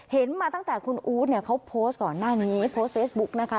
เห็นมาตั้งแต่คุณอู๊ดเนี่ยเขาโพสต์ก่อนหน้านี้โพสต์เฟซบุ๊กนะคะ